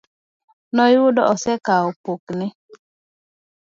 Noyudo osekawo pokne.